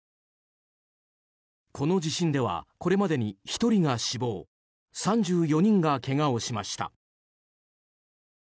この地震ではこれまでに１人が死亡３４人がけがをしました。